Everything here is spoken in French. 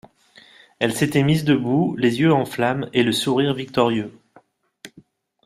Elle s'était mise debout, les yeux en flammes, et le sourire victorieux.